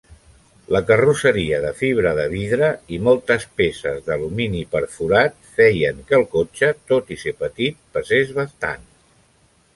La carrosseria de fibra de vidre i moltes peces d'alumini perforat feien que el cotxe, tot i ser petit, pesés bastant.